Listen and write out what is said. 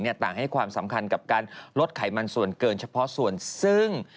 ต่างให้ความสำคัญกับการลดไขมันส่วนเกินเฉพาะส่วนซึ่ง